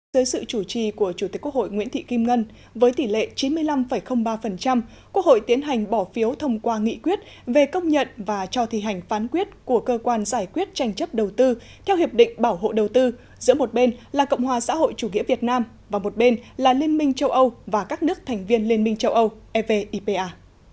dưới sự chủ trì của chủ tịch quốc hội nguyễn thị kim ngân với tỷ lệ chín mươi năm ba quốc hội tiến hành bỏ phiếu thông qua nghị quyết về công nhận và cho thi hành phán quyết của cơ quan giải quyết tranh chấp đầu tư theo hiệp định bảo hộ đầu tư giữa một bên là cộng hòa xã hội chủ nghĩa việt nam và một bên là liên minh châu âu và các nước thành viên liên minh châu âu evipa